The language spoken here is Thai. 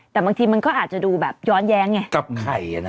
แต่บางทีมันก็อาจจะดูแบบย้อนแย้งไงกับไข่